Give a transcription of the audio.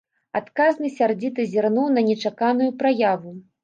Адказны сярдзіта зірнуў на нечаканую праяву.